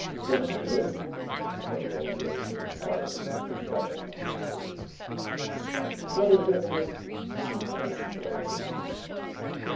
"Permitted?" Barreau laid inquiring inflection on the word. "What is it to——" she cut in sharply.